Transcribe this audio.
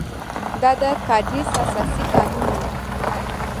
دا د کادیس اساسي قانون وو.